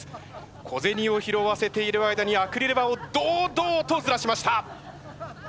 小銭を拾わせている間にアクリル板を堂々とずらしました。